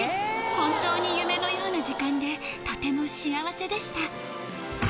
本当に夢のような時間で、とても幸せでした。